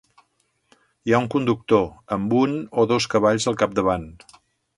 Hi ha un conductor, amb un o dos cavalls al capdavant.